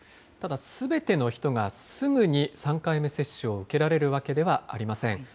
ただ、すべての人がすぐに３回目接種を受けられるわけではありません。